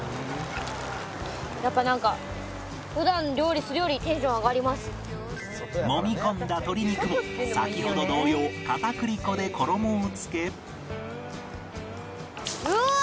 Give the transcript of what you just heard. やっぱなんかもみ込んだ鶏肉に先ほど同様片栗粉で衣をつけうわ！